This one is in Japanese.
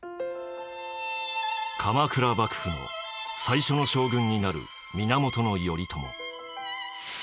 鎌倉幕府の最初の将軍になる源頼朝。